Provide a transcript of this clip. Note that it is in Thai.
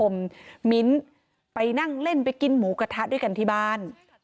มิ้นไปนั่งเล่นไปกินหมูกระทะด้วยกันที่บ้าน